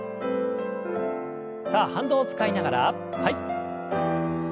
さあ反動を使いながらはい。